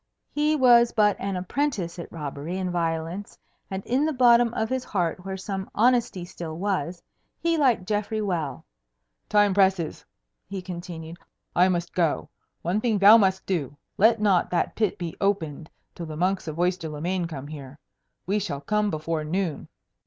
He was but an apprentice at robbery and violence, and in the bottom of his heart, where some honesty still was, he liked Geoffrey well. "Time presses," he continued. "I must go. One thing thou must do. Let not that pit be opened till the monks of Oyster le Main come here. We shall come before noon."